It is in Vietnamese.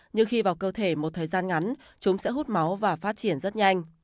nhưng khi vào cơ thể một thời gian ngắn chúng sẽ hút máu và phát triển rất nhanh